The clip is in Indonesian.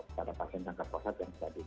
pada pasien kanker prostat yang tadi